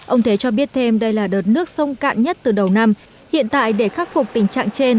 ông thế cho biết thêm đây là đợt nước sông cạn nhất từ đầu năm hiện tại để khắc phục tình trạng trên